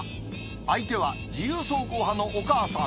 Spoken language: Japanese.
相手は自由走行派のお母さん。